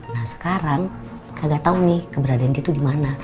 nah sekarang kagak tau ini keberadaan dia itu dimana